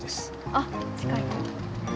あっ近い。